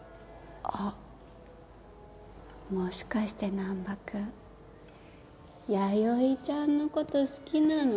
あもしかして難破君弥生ちゃんのこと好きなの？